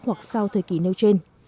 hoặc sau thời kỳ nêu trên